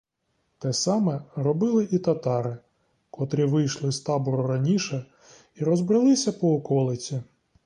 Те саме робили і татари, котрі вийшли з табору раніше і розбрелися по околиці.